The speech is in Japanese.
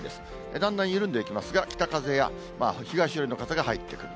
だんだん緩んでいきますが、北風や東寄りの風が入ってくる。